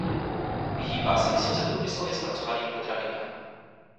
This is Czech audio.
Vyhýbá se vysoce průmyslově zpracovaným potravinám.